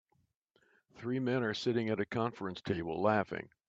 Three men are sitting at a conference table laughing.